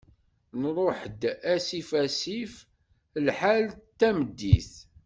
Nruḥ-d asif asif, lḥal d tameddit.